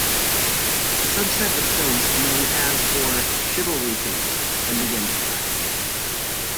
A subset of films known as or "chivalry films" then began to thrive.